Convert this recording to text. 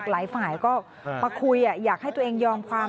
หลายฝ่ายก็มาคุยอยากให้ตัวเองยอมความ